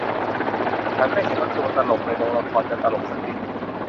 ฉันไม่เห็นว่าตัวตลกในโรงละครจะตลกสักนิด